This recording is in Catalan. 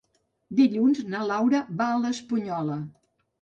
Dilluns na Laura va a l'Espunyola.